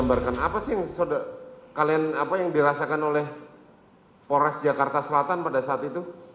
apa sih yang kalian apa yang dirasakan oleh polres jakarta selatan pada saat itu